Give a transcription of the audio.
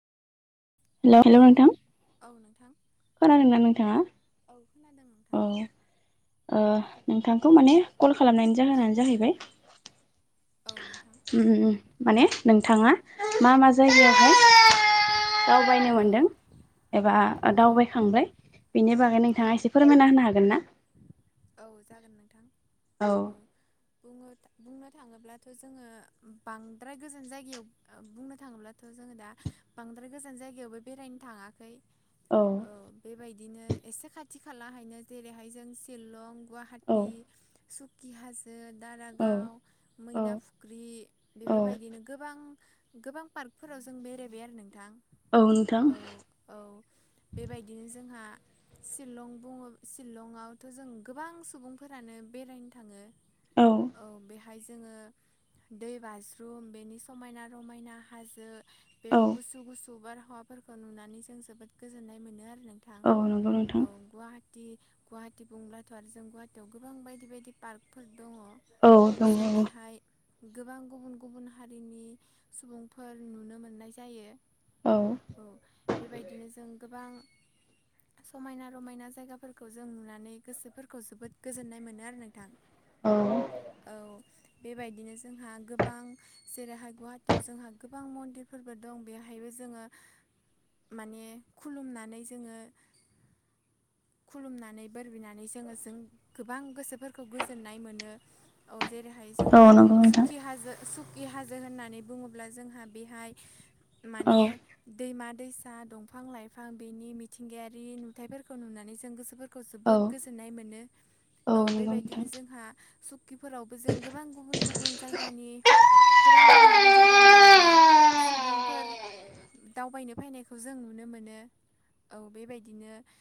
हेल' औ हेल'नोंथां औ नोंथां औ खोनादों औ नोंथां नोंथांखौ माने कल खालामनायनि ओ जाहोनानो जाहैबाय औ नोंथां माने नोंथाङा मा मा औ जायगायावहाय दावबायनो औ मोनदों एबा औ दावबायखांबाय बिनि बागै औ नोंथाङा एसे फोरमायना होनो हागोन ना औ जागोन नोंथां औ बुङो बुंनो थाङोब्लाथ' जोङो बांद्राय गोजान जायगायाव बुंनो थाङोब्लाथ' जोङो दा बांद्राय गोजान जायगायावबो बेरायनो थाङाखै औ बेबायदिनो एसे खाथि खालाहायनो जेरैहाय जों शिलं गुवाहाटी सुकि हाज जो औ दारागाव औ मैना फुख्रि औ बेफोरबायदिनो गोबां गोबां पार्कफोराव जों बेरायबाय आरो नों थां औ नोंथां औ औ बेबायदिनो जोंहा शिलं बुङो शिलंआवथ' जों गोबां सुबुंफोरानो बेरायनो थाङो औ बे हाय जोङो दै बाज्रुम बेनि समायना रमायना हाजो बे औ गुसु गुसु बारहावाफोरखौ नुनानै जों जोबोद गोजोननाय मोनो आरो नोंथां औ नंगौ नोंथां औ गुवाहाटी गुवाहा- टी बुंब्लाथ' आरो जों गुवाहाटीयाव गोबां बायदि बायदि पार्कफोर दङ औ दङ जों औ बेहाय गोबां गुबुन गुबुन हारिनि सुबुंफोर नुनो मोननाय जायो औ बेबायदिनो जों गोबां समायना रमायना जायगाफोरखौ जों नुना नै गोसोफोरखौ जोबोद गोजोन्नाय मोनो आरो नोंथां औ औ बेबायदिनो जोंहा गोबां जेरैहाय गुवाहाटीयाव जोंहा गोबां मन्दिरफोरबो दं बेवहायबो जोङो माने खुलुमनानै जोङो खुलुमनानै बोर बिनानै जोङो जों गोबां गोसोफोरखौ गोजोननाय मोनो औ जेरैहाय औ जोंहा नंगौ नोंथां सुखि हाजो सु खि हाजो होननानै बुङोब्ला जोंहा बेहाय औ माने दैमा दैसा दंफां लाइफां बेनि मिथिंगायारि नुथायफोरखौ नुनानै जों गोसोफोर खौ औ जोबोद गोजोननाय मोनो औ नंगौ नोंथां बेबायदिनो जोंहा सु किफोरावबो जों गोबां गुबुन गुबुन जायगानि गोबां गुबुन गुबुन जायगानि माने सुबुंफोर दावबायनो फैनायखौ जों नुनो मोनो औ बेबायदिनो